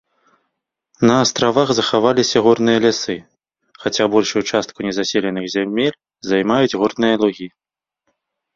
На астравах захаваліся горныя лясы, хаця большую частку незаселеных зямель займаюць горныя лугі.